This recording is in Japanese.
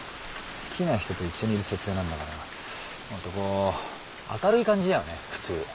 好きな人と一緒にいる設定なんだからもっとこう明るい感じだよね普通。